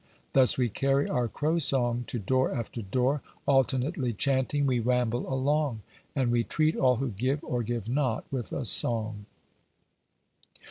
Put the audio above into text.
Thus we carry our Crow song to door after door, Alternately chanting we ramble along, And we treat all who give, or give not, with a song.